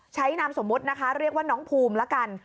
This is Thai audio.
นามสมมุตินะคะเรียกว่าน้องภูมิละกัน